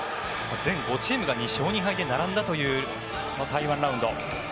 全５チームが２勝２敗で並んだ台湾ラウンド。